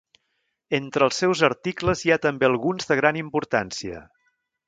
Entre els seus articles hi ha també alguns de gran importància.